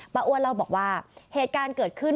อ้วนเล่าบอกว่าเหตุการณ์เกิดขึ้น